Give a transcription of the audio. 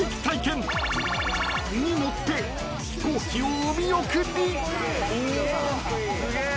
［に乗って飛行機をお見送り！］